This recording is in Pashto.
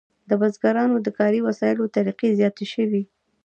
د بزګرانو د کاري وسایلو طریقې زیاتې شوې.